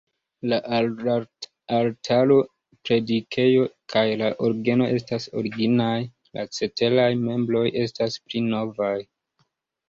La altaro, predikejo kaj la orgeno estas originaj, la ceteraj mebloj estas pli novaj.